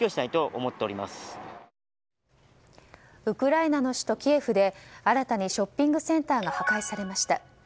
ウクライナの首都キエフで新たにショッピングセンターが破壊されました。